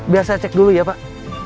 biar saya cek dulu ya pak